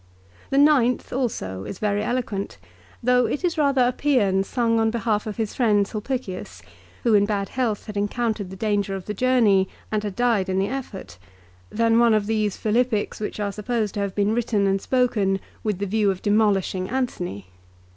The ninth also is very eloquent, though it is rather a psean sung on behalf of his friend Sulpicius, who in bad health had encountered the danger of the journey, and had died in the effort, than one of these Philippics which are supposed to have been written THE PHILIPPICS. 259 and spoken with the view of demolishing Antony.